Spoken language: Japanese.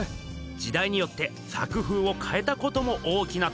時代によって作風をかえたことも大きなとくちょうで。